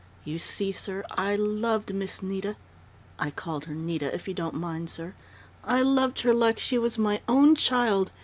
"You see, sir, I loved Miss Nita I called her Nita, if you don't mind, sir. I loved her like she was my own child.